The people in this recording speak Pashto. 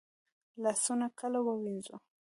لاسونه کله ووینځو؟